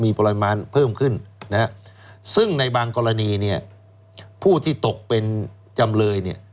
มีปริมาณเพิ่มขึ้นนะฮะซึ่งในบางกรณีเนี่ยผู้ที่ตกเป็นจำเลยเนี่ย